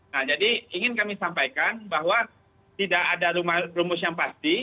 nah jadi ingin kami sampaikan bahwa tidak ada rumus yang pasti